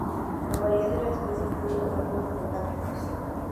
La mayoría de las especies tienen cuatro tentáculos.